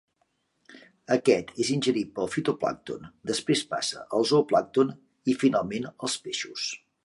Aquest és ingerit pel fitoplàncton, després passa al zooplàncton i finalment als peixos.